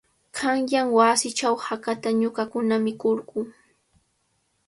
Qanyan wasiichaw hakata ñuqakuna mikurquu.